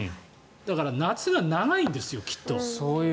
だから、夏が長いんですよきっと。